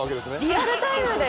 リアルタイムで。